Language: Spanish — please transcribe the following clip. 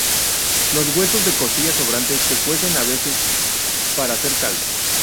Los huesos de costilla sobrantes se cuecen a veces para hacer caldo.